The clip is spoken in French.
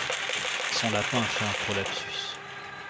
Son lapin a fait un prolapsus.